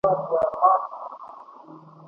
¬ چي مور لرې ادکه، په ښه کور به دي واده که.